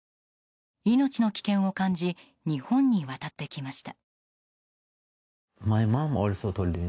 命の危険を感じ日本に渡ってきました。